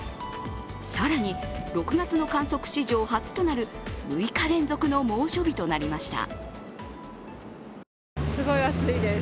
更に、６月の観測史上初となる６日連続の猛暑日となりました。